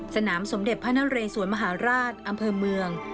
สนามสมเด็จพระนเรสวนมหาราชอำเภอเมือง